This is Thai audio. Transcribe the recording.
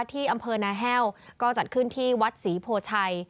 ที่อำเภอนาแห้วก็จัดขึ้นที่วัดศรีโพชัย